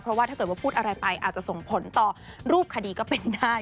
เพราะว่าถ้าเกิดว่าพูดอะไรไปอาจจะส่งผลต่อรูปคดีก็เป็นได้